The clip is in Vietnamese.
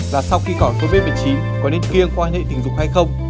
là sau khi có covid một mươi chín có nên kia quan hệ tình dục hay không